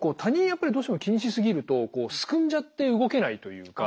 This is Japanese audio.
やっぱりどうしても気にしすぎるとすくんじゃって動けないというか。